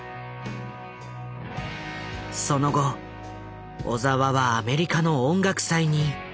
その後小澤はアメリカの音楽祭にタンを招待。